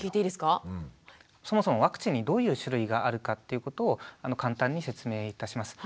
そもそもワクチンにどういう種類があるかっていうことを簡単に説明いたします。